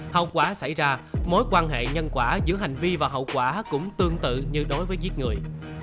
hậu quả xảy ra mối quan hệ nhân quả giữa hành vi và hậu quả cũng tương tự như đối với giết người